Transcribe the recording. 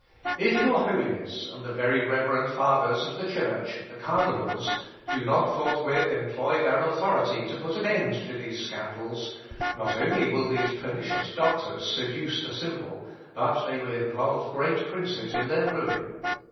If your Holiness and the very reverend fathers of the Church, (the Cardinals,) do not forthwith employ their authority to put an end to these scandals, not only will these pernicious doctors seduce the simple, but they will involve great princes in their ruin.